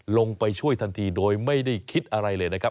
ลงไปช่วยทันทีโดยไม่ได้คิดอะไรเลยนะครับ